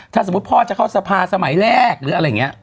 ถ้าสมมุติพ่อจะเข้าสภาสมัยแรกหรืออะไรอย่างนี้